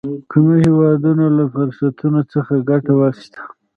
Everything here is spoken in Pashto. کومو هېوادونو له فرصتونو څخه ګټه واخیسته.